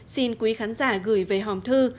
xin quý khán giả gửi về hòm thư